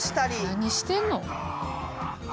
何してんの。